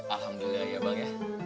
alhamdulillah ya bang ya